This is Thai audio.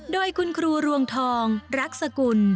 โดยคุณครูรวงทองรักษกุล